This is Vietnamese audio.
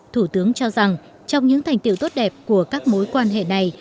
thủ tướng cho rằng trong những thành tiệu tốt đẹp của các mối quan hệ này